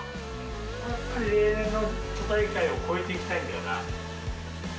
例年の都大会を超えていきたいんだよな。